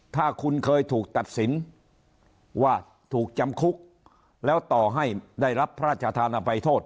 ถ้าคุณเคยถูกตัดสินว่าถูกจำคุกแล้วต่อให้ได้รับพระราชธานภัยโทษ